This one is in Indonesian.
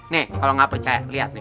nih kalau nggak percaya lihat nih